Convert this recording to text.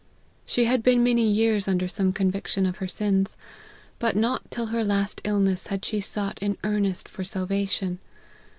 She had been many years under some conviction of her sins, but not till her last illness had she sought in earnest for salvation.